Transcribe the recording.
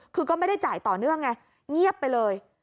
คือก็ไม่ได้จ่ายต่อเนื่องไงเงียบไปเลย